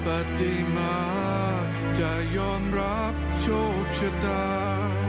ปฏิมาจะยอมรับโชคชะตา